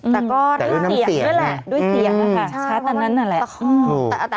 แต่ก็ด้วยเสียงนะใช่ค่ะค่ะพระครูแต่จริง